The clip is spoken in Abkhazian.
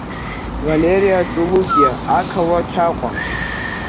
Валериа Цулукиа ақалақь Аҟәа.